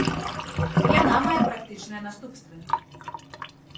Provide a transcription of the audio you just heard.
Яна мае практычныя наступствы.